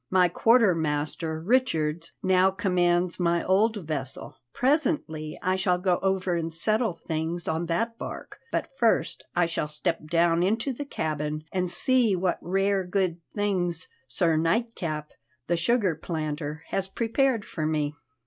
My quarter master, Richards, now commands my old vessel. Presently I shall go over and settle things on that bark, but first I shall step down into the cabin and see what rare good things Sir Nightcap, the sugar planter, has prepared for me."